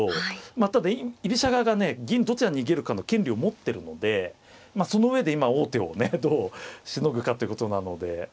まあただ居飛車側がね銀どちらに逃げるかの権利を持ってるのでその上で今王手をねどうしのぐかということなので。